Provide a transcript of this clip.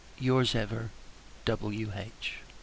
Your's, ever, W.H.